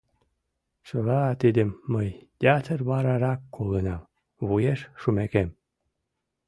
Чыла тидым мый ятыр варарак колынам – вуеш шумекем.